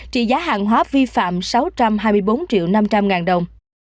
trị giá hàng hóa vi phạm sáu trăm hai mươi bốn triệu năm trăm linh ngàn đồng